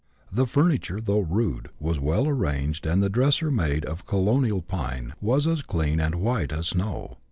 The furniture, though rude, was well arranged, and the dresser, made of colonial pine, was as clean and white as snow.